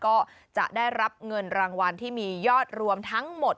ก็จะได้รับเงินรางวัลที่มียอดรวมทั้งหมด